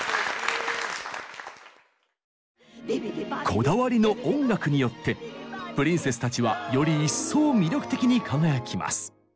こだわりの音楽によってプリンセスたちはより一層魅力的に輝きます。